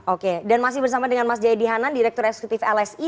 oke dan masih bersama dengan mas jayadi hanan direktur eksekutif lsi